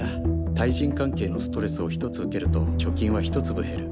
対人関係のストレスを１つ受けると貯金は１粒減る。